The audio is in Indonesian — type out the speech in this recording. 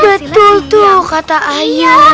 betul tuh kata ayu